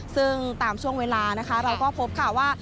ซึ่งตามช่วงเวลานะคะเราก็พบค่ะว่า